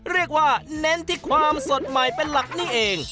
เน้นที่ความสดใหม่เป็นหลักนี่เอง